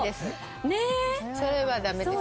それはダメです。